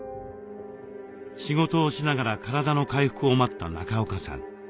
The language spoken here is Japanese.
仕事をしながら体の回復を待った中岡さん。